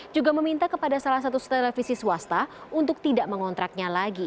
juga meminta kepada salah satu televisi swasta untuk tidak mengontraknya lagi